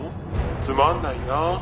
「つまんないなあ」